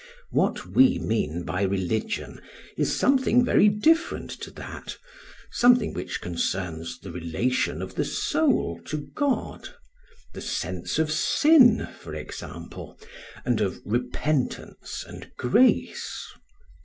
What we mean by religion is something very different to that, something which concerns the relation of the soul to God; the sense of sin, for example, and of repentance and grace.